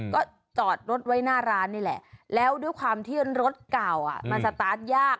ก็จอดรถไว้หน้าร้านนี่แหละแล้วด้วยความที่รถเก่ามันสตาร์ทยาก